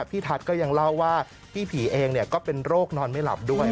พี่ทัศน์ก็ยังเล่าว่าพี่ผีเองก็เป็นโรคนอนไม่หลับด้วย